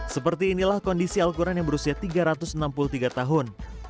seperti inilah kondisi al quran yang berusia tiga ratus enam puluh tiga tahun